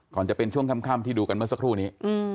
ก่อนจะเป็นช่วงค่ำที่ดูกันเมื่อสักครู่นี้